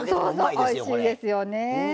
おいしいですよね。